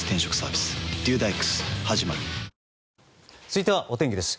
続いてはお天気です。